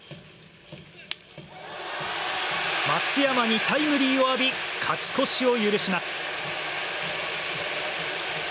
松山にタイムリーを浴び勝ち越しを許します。